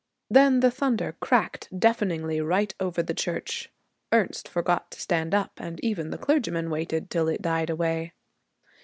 Then the thunder cracked deafeningly right over the church. Ernest forgot to stand up, and even the clergyman waited till it died away.